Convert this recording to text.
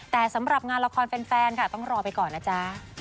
แต่สำหรับงานละครแฟนค่ะต้องรอไปก่อนนะจ๊ะ